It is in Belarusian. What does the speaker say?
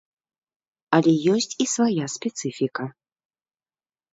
Але ёсць і свая спецыфіка.